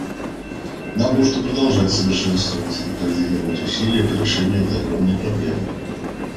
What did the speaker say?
Нам нужно продолжать совершенствовать и координировать усилия по решению этой огромной проблемы.